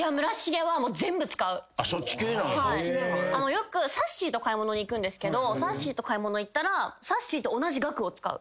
よくさっしーと買い物に行くんですけどさっしーと買い物行ったらさっしーと。